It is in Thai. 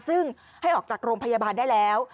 ซึ่งให้ออกจากโรงพยาบาลได้แล้ว